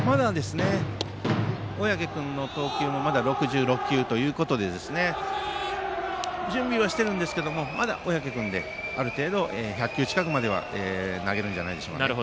まだ小宅君の投球も６６球ということで準備はしていますがまだ小宅君である程度、１００球近くまでは投げるんじゃないでしょうかね。